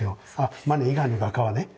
マネ以外の画家はね。